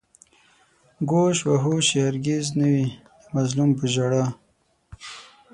گوش و هوش يې هر گِز نه وي د مظلومو په ژړا